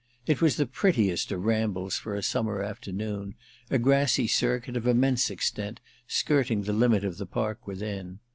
It was the prettiest of rambles for a summer afternoon—a grassy circuit, of immense extent, skirting the limit of the park within.